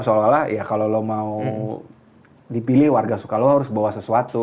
soalnya lah ya kalo lo mau dipilih warga suka lo harus bawa sesuatu